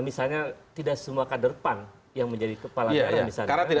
misalnya tidak semua kader pan yang menjadi kepala negara